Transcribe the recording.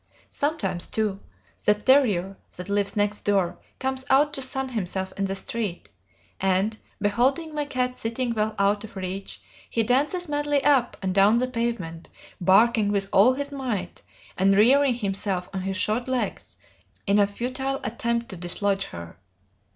Sometimes, too, the terrier that lives next door comes out to sun himself in the street, and, beholding my cat sitting well out of reach, he dances madly up and down the pavement, barking with all his might, and rearing himself on his short legs, in a futile attempt to dislodge her.